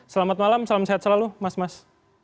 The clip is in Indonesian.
selamat malam salam sehat selalu mas mas